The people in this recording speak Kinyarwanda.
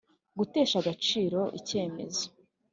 gutesha agaciro icyemezo